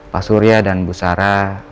pak surya dan bu sara